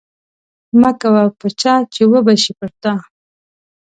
مه کوه په چا چې وبه شي پر تا